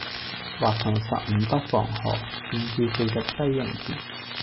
或從十五北防河，便至四十西營田。